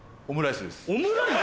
オムライス！